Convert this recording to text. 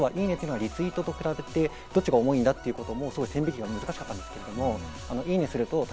「いいね」というのはリツイートと比べてどっちが重いんだということも線引きが難しかったんですけど、「いいね」